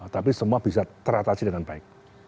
tapi semua bisa teratasi dengan baik